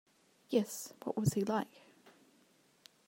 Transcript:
Yes; what was he like?